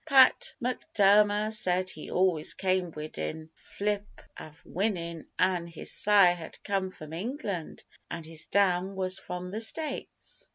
Pat M'Durmer said he always came 'widin a flip av winnin',' An' his sire had come from England, 'n' his dam was from the States.